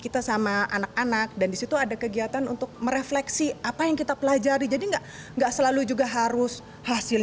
kegiatan keterampilan itu adalah untuk membuat anak anak lebih kreatif menciptakan keterampilan yang lain